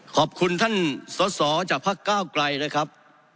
ขอบคุณท่านสอสอจากพักก้าวไกลนะครับ